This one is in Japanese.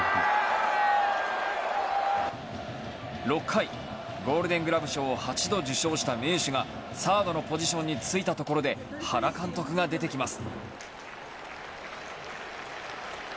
６回、ゴールデングラブ賞を８度受賞した名手がサードのポジションに就いたところで原監督が出てきます。